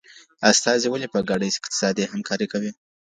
استازي ولي په ګډه اقتصادي همکاري کوي؟